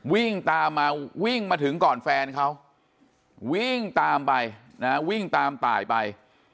วิ่งตามมาวิ่งมาถึงก่อนแฟนเขาวิ่งตามไปนะวิ่งตามตายไป